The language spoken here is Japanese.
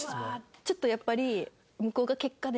ちょっとやっぱり。